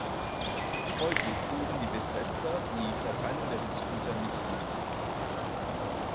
Folglich dulden die Besetzer die Verteilung der Hilfsgüter nicht.